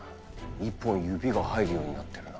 一本指が入るようになってるな